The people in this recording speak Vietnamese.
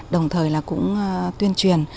đồng thời cũng tuyên truyền